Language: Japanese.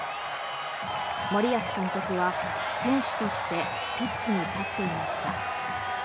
森保監督は選手としてピッチに立っていました。